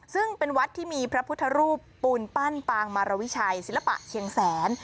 ซึ่งเป็นวัดที่มีพระพุทธรูปปูนปั้นปางมารวิชัยศิลปะเชียงแสน